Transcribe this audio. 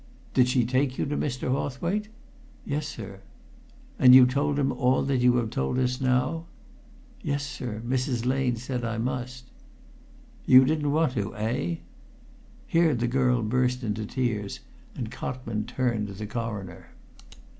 "Did she take you to Mr. Hawthwaite?" "Yes, sir." "And you told him all that you have told us now?" "Yes, sir Mrs. Lane said I must." "You didn't want to, eh?" Here the girl burst into tears, and Cotman turned to the Coroner.